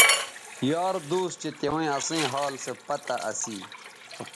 یار دوس چہء تیویں اسئیں حال سو پتہ اسی